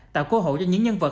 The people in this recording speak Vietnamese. tạo cơ hội cho những nhân vật